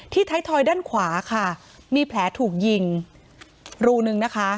ท้ายทอยด้านขวาค่ะมีแผลถูกยิงรูนึงนะคะ